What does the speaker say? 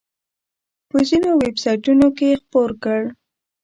په ځینو ویب سایټونو کې یې خپور کړ.